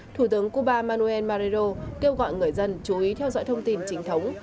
thủ tướng cuba manuel marero kêu gọi người dân chú ý theo dõi thông tin chính thống